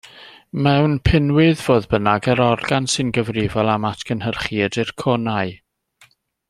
Mewn pinwydd, fodd bynnag, yr organ sy'n gyfrifol am atgynhyrchu ydy'r conau.